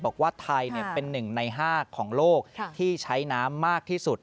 บอกว่าไทยเป็น๑ใน๕ของโลกที่ใช้น้ำมากที่สุด